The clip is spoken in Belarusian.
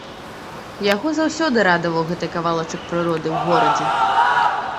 Яго заўсёды радаваў гэты кавалачак прыроды ў горадзе.